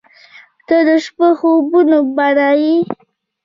• ته د شپو خوبونو بڼه یې.